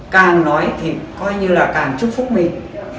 càng nói thì coi như là càng chúc phúc mình